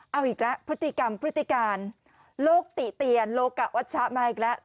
เอาอีกแล้วพฤติกรรมพฤติการโลกติเตียนโลกะวัชชะมาอีกแล้ว